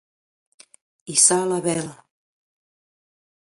Hissar la vela.